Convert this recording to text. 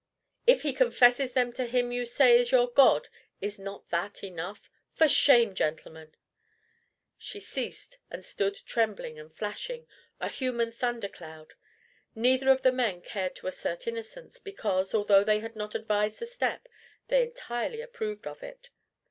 If he confesses them to him you say is your God, is not that enough? For shame, gentlemen!" She ceased, and stood trembling and flashing a human thunder cloud. Neither of the men cared to assert innocence, because, although they had not advised the step, they entirely approved of it.